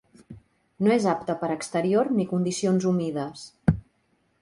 No és apte per a exterior ni condicions humides.